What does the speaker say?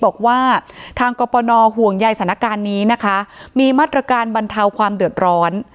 บอกว่าทางกรปนห่วงใยสถานการณ์นี้นะคะมีมาตรการบรรเทาความเดือดร้อน